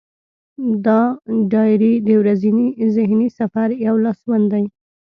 دا ډایري د ورځني ذهني سفر یو لاسوند وي.